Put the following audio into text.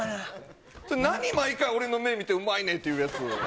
何、毎回、俺の目見て、うまいなって言うやつ。